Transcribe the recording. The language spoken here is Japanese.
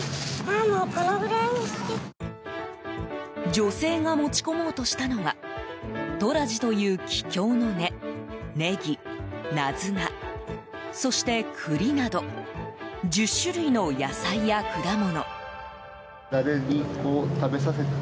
女性が持ち込もうとしたのはトラジというキキョウの根ネギ、ナズナ、そして栗など１０種類の野菜や果物。